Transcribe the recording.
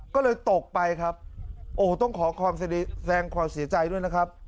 ก็เลยตกไปครับโอ้โหต้องขอแสดงความเสียใจด้วยนะครับ